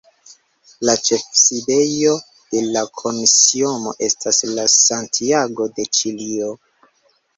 La ĉefsidejo de la komisiono estas en Santiago de Ĉilio.